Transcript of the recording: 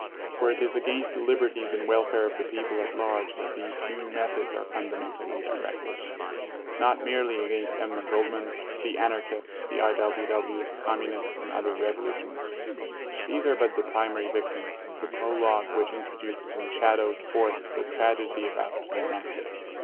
For it is against the liberties and welfare of the people at large that these new methods are fundamentally directed. Not merely against Emma Goldman, the Anarchists, the I. W. Ws., Communists, and other revolutionists. These are but the primary victims, the prologue which introduces and shadows forth the tragedy about to be enacted.